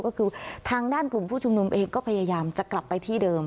ก็คือทางด้านกลุ่มผู้ชุมนุมเองก็พยายามจะกลับไปที่เดิม